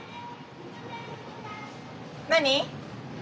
何？